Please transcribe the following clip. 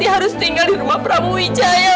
dia harus tinggal di rumah pramu wijaya